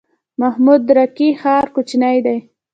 محمود راقي ښار کوچنی دی؟